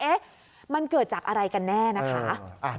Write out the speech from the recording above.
เอ๊ะมันเกิดจากอะไรกันแน่นะคะ